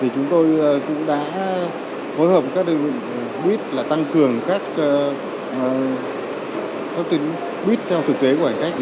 chúng tôi đã hối hợp các đơn vị buýt tăng cường các tuyến buýt theo thực tế của hành khách